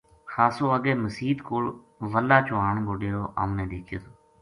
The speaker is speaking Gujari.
خاصو اگے مسیت کول وَلا چوہان کو ڈیرو ہم نے دیکھیو تھو